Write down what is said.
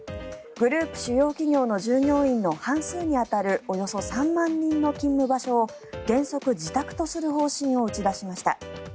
グループ主要企業の従業員の半数に当たるおよそ３万人の勤務場所を原則自宅とする方針を打ち出しました。